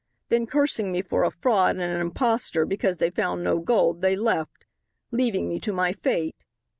Then cursing me for a fraud and an impostor because they found no gold they left, leaving me to my fate."